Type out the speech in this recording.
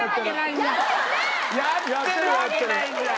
やってるわけないじゃん！